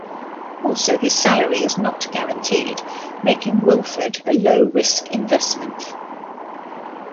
Also his salary is not guaranteed, making Wilford a low-risk investment.